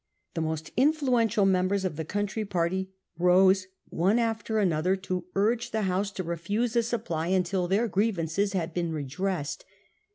The most influential members of the country party rose one after another to urge the House to refuse a supply until their grievances mad been redressed.